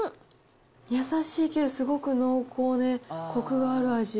優しいけどすごく濃厚で、コクがある味。